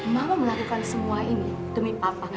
mau melakukan semua ini demi papa